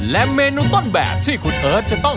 และเมนูต้นแบบที่คุณเอิร์ทจะต้อง